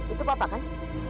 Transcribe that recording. itu papa kan